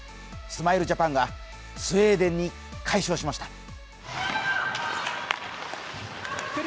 スマイルジャパンがスウェーデンに快勝しました。